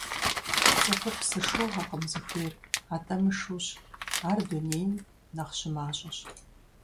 ЦӀыхур псы шыугъэкъым зыхуейр, атӀэ мышыущ, ар дунейм нэхъ щымащӀэщ.